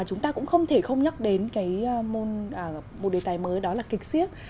chúng ta cũng không thể không nhắc đến cái một đề tài mới đó là kịch siếc